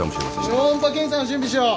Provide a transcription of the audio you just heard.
超音波検査の準備しよう。